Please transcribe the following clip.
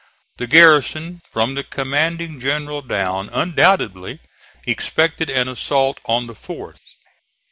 The garrison, from the commanding general down, undoubtedly expected an assault on the fourth.